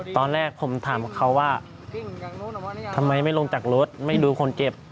ตอนแรกผมถามเขาว่าทำไมไม่ลงจากรถไม่รู้คนเจ็บ